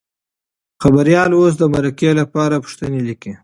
خبریال اوس د مرکې لپاره پوښتنې لیکي.